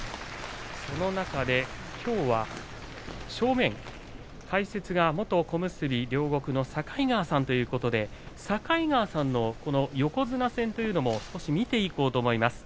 その中で、きょうは正面解説は元小結両国の境川さんということで境川さんの横綱戦というのも少し見ていこうと思います。